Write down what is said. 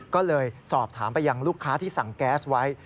ก็เลยสอบถามไปยังลูกค้าที่สั่งแก๊สไว้